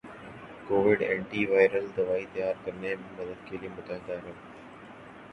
Covid antiviral دوائی تیار کرنے میں مدد کے لئے متحدہ عرب